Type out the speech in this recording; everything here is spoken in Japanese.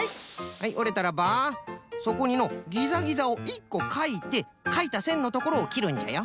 はいおれたらばそこにのギザギザを１こかいてかいたせんのところをきるんじゃよ。